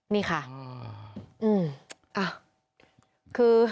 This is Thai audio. นี่ค่ะอืมอ่าคือ